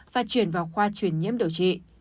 và chuyển vào khoa chuyển nhiễm điều trị